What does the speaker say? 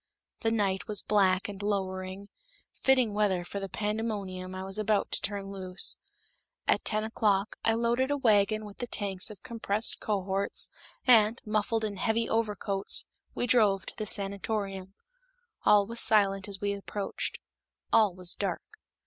That night was black and lowering, fitting weather for the pandemonium I was about to turn loose. At ten o'clock, I loaded a wagon with the tanks of compressed cohorts, and, muffled in heavy overcoats, we drove to the sanatorium. All was silent as we approached; all was dark.